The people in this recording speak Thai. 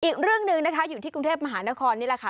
อีกเรื่องหนึ่งนะคะอยู่ที่กรุงเทพมหานครนี่แหละค่ะ